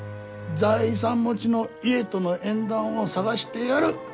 財産持ちの家との縁談を探してやる。